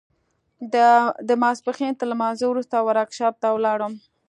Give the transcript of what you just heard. د ماسپښين تر لمانځه وروسته ورکشاپ ته ولاړم.